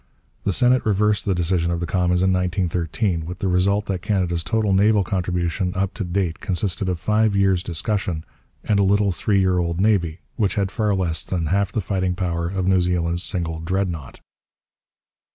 The Senate reversed the decision of the Commons in 1913, with the result that Canada's total naval contribution up to date consisted of five years' discussion and a little three year old navy which had far less than half the fighting power of New Zealand's single Dreadnought.